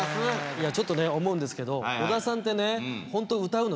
いやちょっとね思うんですけど小田さんってね本当歌うの好きですよね。